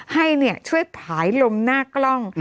ให้ช่วยผายลมหน้ากล้อง